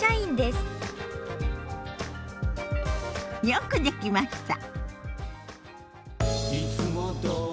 よくできました。